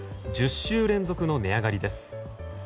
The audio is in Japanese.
１０週連続の値上がりです。